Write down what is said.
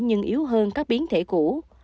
nhưng yếu hơn các biến thể cũ